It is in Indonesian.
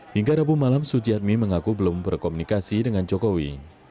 hingga rabu malam sujiatmi mengaku belum berkomunikasi dengan jokowi